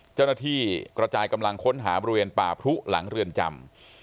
เจ้าหน้าที่กระจายกำลังค้นหาบริเวณป่าพรุหลังเรือนจำ